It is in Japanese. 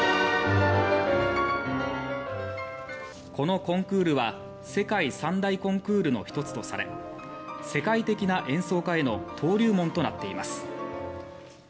このコンクールは世界三大コンクールの１つとされ世界的な演奏家への登竜門となっています。